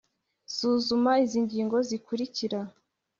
Suzuma izi ngingo zikurikira.